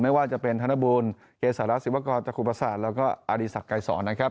ไม่ว่าจะเป็นธนบูลเกษาระศิวะกรจคุปศาสตร์แล้วก็อาริสักไก่ศรนะครับ